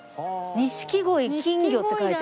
「錦鯉金魚」って書いてある。